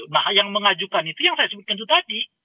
nah yang mengajukan itu yang saya sebutkan itu tadi